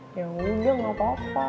ya udah enggak apa apa